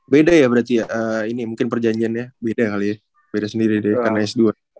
beda ya berarti ya ini mungkin perjanjiannya beda kali ya beda sendiri deh karena s dua